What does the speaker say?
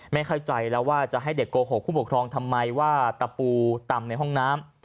ไม่เข้าใจแล้วว่าจะให้เด็กโกหกผู้ปกครองทำไมว่าตะปูต่ำในห้องน้ำ